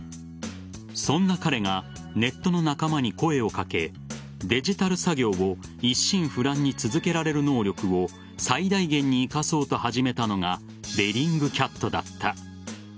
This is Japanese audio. そんな彼がネットの仲間に声を掛けデジタル作業を一心不乱に続けられる能力を最大限に生かそうと始めたのがベリングキャットだった。